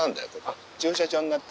駐車場になってる。